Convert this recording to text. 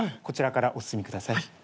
こちらからお進みください。